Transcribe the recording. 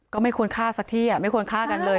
ก็ไม่ควรฆ่าสักที่ไม่ควรฆ่ากันเลย